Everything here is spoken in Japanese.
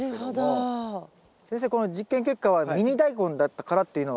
先生この実験結果はミニダイコンだったからっていうのはありますか？